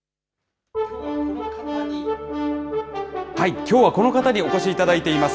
きょうは、この方にお越しいただいています。